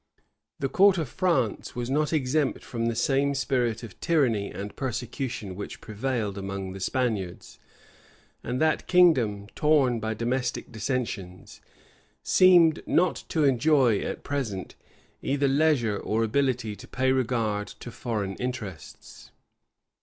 The court of France was not exempt from the same spirit of tyranny and persecution which prevailed among the Spaniards; and that kingdom, torn by domestic dissensions, seemed not to enjoy, at present, either leisure or ability to pay regard to foreign interests.